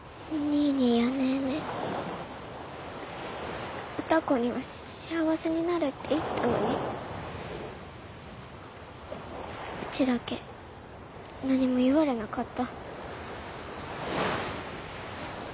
ニーニーやネーネー歌子には「幸せになれ」って言ったのにうちだけ何も言われなかった。